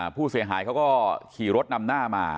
ผู้เสียหายเขาก็ขี่รถนำหน้ามา